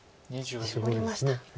シボりました。